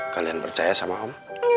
kalian percaya sama om